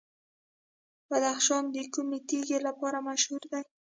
بدخشان د کومې تیږې لپاره مشهور دی؟